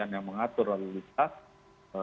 yang mengatur lalu lintas